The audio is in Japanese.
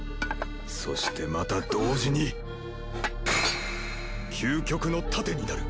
そしてまた同時に究極の盾になる。